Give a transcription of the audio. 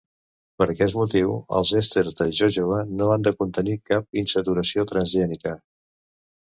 Per aquest motiu, els èsters de jojoba no han de contenir cap insaturació transgènica.